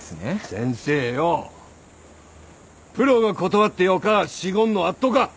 先生よぉプロが断ってよか仕事のあっとか？